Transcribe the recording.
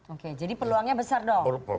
oke jadi peluangnya besar dong